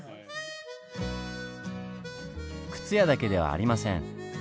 靴屋だけではありません。